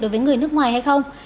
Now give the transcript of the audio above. đối với người nước ngoài hay không